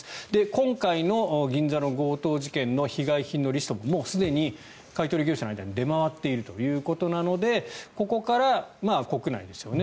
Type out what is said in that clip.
今回の銀座の強盗事件の被害品のリストももうすでに買い取り業者の間で出回っているということでここから国内ですよね。